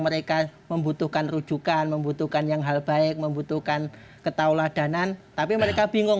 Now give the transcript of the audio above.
mereka membutuhkan rujukan membutuhkan yang hal baik membutuhkan ketauladanan tapi mereka bingung